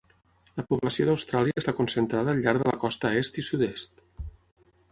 La població d'Austràlia està concentrada al llarg de la costa est i sud-est.